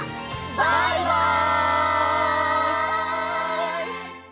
バイバイ！